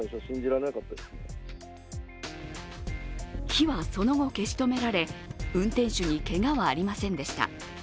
火はその後、消し止められ運転手にけがはありませんでした。